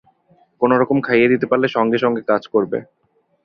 কোনো রকমে খাইয়ে দিতে পারলে সঙ্গে-সঙ্গে কাজ করবে।